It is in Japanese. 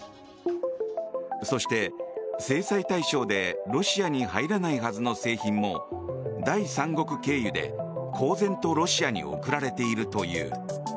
そして、制裁対象でロシアに入らないはずの製品も第三国経由で公然とロシアに送られているという。